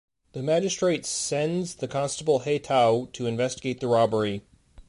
The magistrate sends the constable He Tao to investigate the robbery.